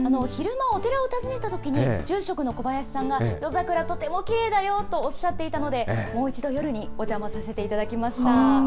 昼間、お寺を訪ねたときに住職の小林さんが、夜桜、とてもきれいだよとおっしゃっていたので、もう一度夜にお邪魔させていただきました。